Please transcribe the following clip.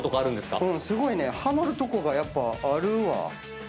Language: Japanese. すごいねはまるとこがあるわ。